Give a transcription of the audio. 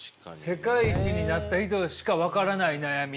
世界一になった人しか分からない悩み。